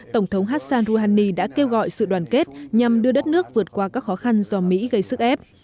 tổng thống hassan rouhani đã kêu gọi sự đoàn kết nhằm đưa đất nước vượt qua các khó khăn do mỹ gây sức ép